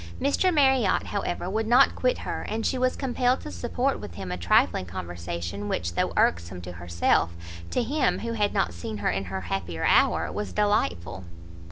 Mr Marriot, however, would not quit her, and she was compelled to support with him a trifling conversation, which, though irksome to herself, to him, who had not seen her in her happier hour, was delightful.